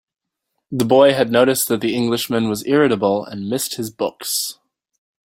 The boy had noticed that the Englishman was irritable, and missed his books.